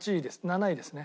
７位ですね。